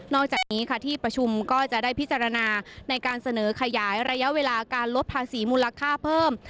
อกจากนี้ค่ะที่ประชุมก็จะได้พิจารณาในการเสนอขยายระยะเวลาการลดภาษีมูลค่าเพิ่ม